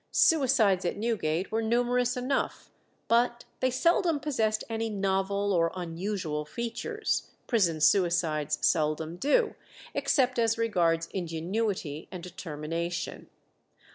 Suicides at Newgate were numerous enough, but they seldom possessed any novel or unusual features; prison suicides seldom do, except as regards ingenuity and determination.